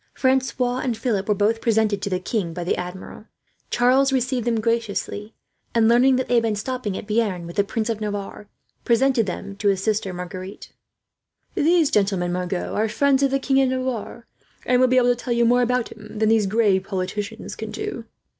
Francois and Philip were both presented to the king by the Admiral. Charles received them graciously and, learning that they had been stopping at Bearn with the Prince of Navarre, presented them to his sister Margaret. "These gentlemen, Margot, are friends of the King of Navarre, and will be able to tell you more about him than these grave politicians can do."